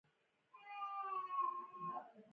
افغانستان د قومونه په برخه کې نړیوال شهرت لري.